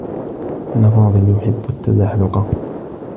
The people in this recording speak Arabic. كان فاضل يحبّ التّزحلق.